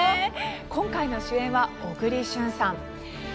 今回の主演は小栗旬さん。